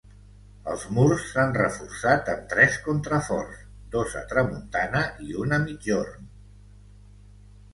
Els murs s'han reforçat amb tres contraforts, dos a tramuntana i un a migjorn.